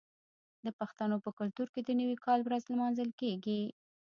د پښتنو په کلتور کې د نوي کال ورځ لمانځل کیږي.